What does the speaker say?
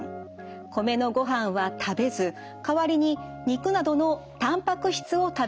米のごはんは食べず代わりに肉などのたんぱく質を食べるようにしました。